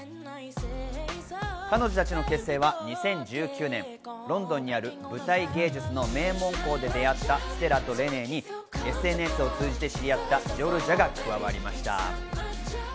彼女たちの結成は２０１９年、ロンドンにある舞台芸術の名門校で出会ったステラとレネーにＳＮＳを通じて知り合ったジョルジャが加わりました。